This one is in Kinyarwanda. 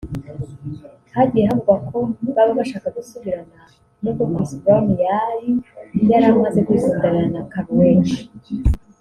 hagiye havugwa ko baba bashaka gusubirana n’ubwo Chris Brown yari yaramaze kwikundanira na Karrueche